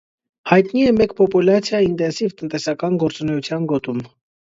Հայտնի է մեկ պոպուլացիա ինտենսիվ տնտեսական գործունեության գոտում։